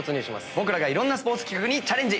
僕らがいろんなスポーツ企画にチャレンジ。